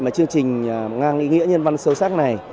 mà chương trình ngang nghĩa nhân văn sâu sắc này